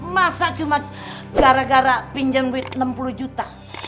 masa cuma gara gara pinjam duit enam puluh juta